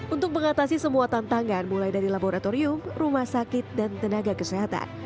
untuk mengatasi semua tantangan mulai dari laboratorium rumah sakit dan tenaga kesehatan